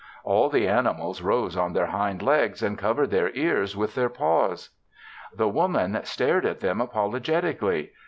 All the animals rose on their hind legs and covered their ears with their paws. The Woman stared at them apologetically.